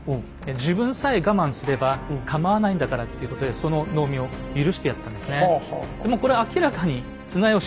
自分さえ我慢すればかまわないんだからっていうことでその農民を許してやったんですね。